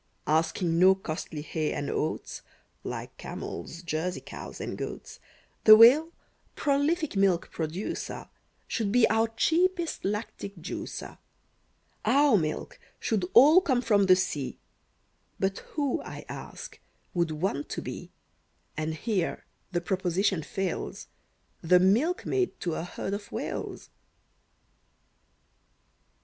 Asking no costly hay and oats, Like camels, Jersey cows, and goats, The Whale, prolific milk producer, Should be our cheapest lactic juicer. Our milk should all come from the sea, But who, I ask, would want to be, And here the proposition fails, The milkmaid to a herd of Whales?